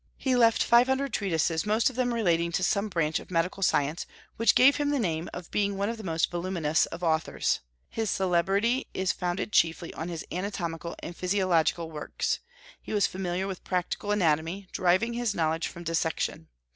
He left five hundred treatises, most of them relating to some branch of medical science, which give him the name of being one of the most voluminous of authors. His celebrity is founded chiefly on his anatomical and physiological works. He was familiar with practical anatomy, deriving his knowledge from dissection.